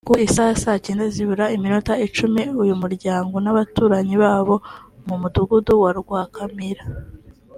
Ku isaha ya saa Cyenda zibura iminota icumi uyu muryango n’abaturanyi babo bo mu Mugudugu wa Rwakaramira